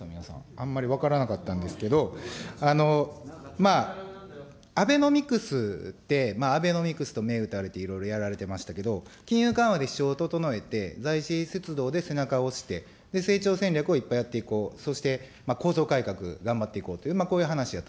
あんまり分からなかったんですけど、アベノミクスって、アベノミクスと銘打たれていろいろやられてましたけれども、金融緩和でを整えて財政出動で背中を押して、成長戦略をいっぱいやっていこう、そして構造改革、頑張っていこうと、こういう話や